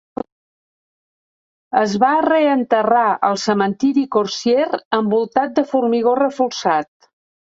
Es va reenterrar al cementiri Corsier envoltat de formigó reforçat.